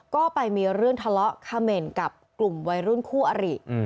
ก็ไปมีเรื่องทะเลาะเขม่นกับกลุ่มวัยรุ่นคู่อริ